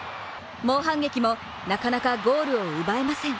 猛反撃も、なかなかゴールを奪えません。